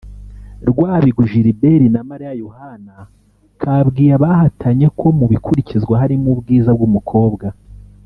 Rwabigwi Gilbert na Mariya Yohana kabwiye abahatanye ko mu bikurikizwa harimo ubwiza bw’umukobwa